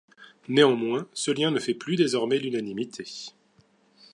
Néanmoins, ce liens ne fait plus désormais l'unanimité.